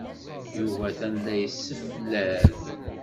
Yuba atan la yesseflad.